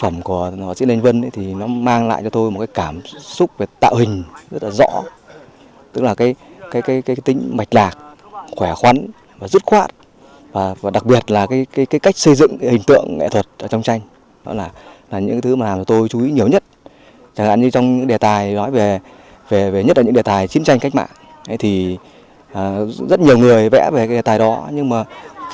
một trong những bức tranh về đề tài chiến tranh cách mạng được giới chuyên môn đánh giá rất cao cả về phong cách nghệ thuật